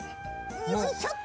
よいしょ！